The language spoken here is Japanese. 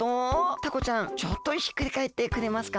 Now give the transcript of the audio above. タコちゃんちょっとひっくりかえってくれますか？